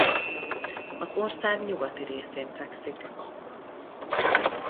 Az ország nyugati részén fekszik.